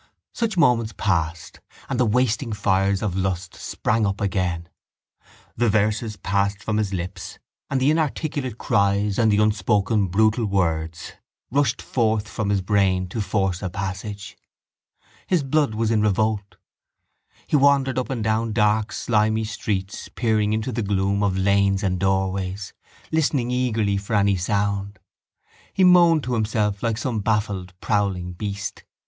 Such moments passed and the wasting fires of lust sprang up again. The verses passed from his lips and the inarticulate cries and the unspoken brutal words rushed forth from his brain to force a passage. His blood was in revolt. He wandered up and down the dark slimy streets peering into the gloom of lanes and doorways, listening eagerly for any sound. He moaned to himself like some baffled prowling beast.